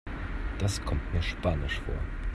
Das kommt mir spanisch vor.